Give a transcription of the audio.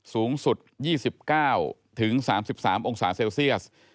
สูงสุด๒๙๓๓องศาเซลเซียส